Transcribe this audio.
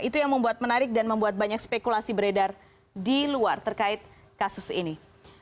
itu yang membuat menarik dan membuat banyak spekulasi beredar di luar terkait kasus ini